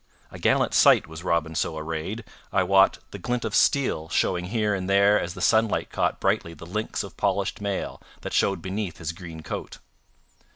A gallant sight was Robin so arrayed, I wot, the glint of steel showing here and there as the sunlight caught brightly the links of polished mail that showed beneath his green coat.